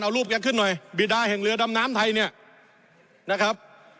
เอารูปแกขึ้นหน่อยบิดาแห่งเรือดำน้ำไทยเนี่ยนะครับ